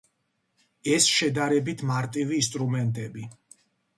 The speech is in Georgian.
ეს იყო შედარებით მარტივი ინსტრუმენტები.